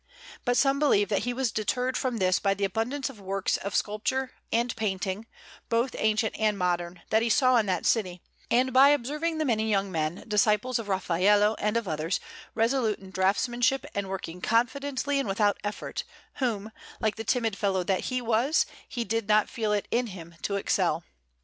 But some believe that he was deterred from this by the abundance of works of sculpture and painting, both ancient and modern, that he saw in that city, and by observing the many young men, disciples of Raffaello and of others, resolute in draughtsmanship and working confidently and without effort, whom, like the timid fellow that he was, he did not feel it in him to excel.